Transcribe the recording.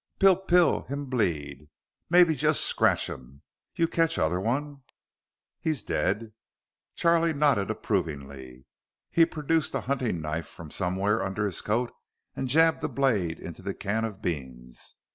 "Pil pil. Him bleed. Maybe just scratchum. You catch other one?" "He's dead." Charlie nodded approvingly. He produced a hunting knife from somewhere under his coat and jabbed the blade into the can of beans.